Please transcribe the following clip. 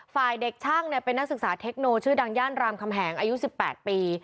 ฝ่ายเด็กช่างเป็นนักศึกษาเทคโนชื่อดังย่านรามคำแหงอายุ๑๘ปี